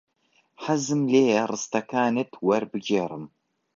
حەزم لێیە ڕستەکانت وەربگێڕم.